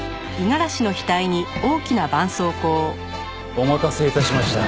お待たせ致しました。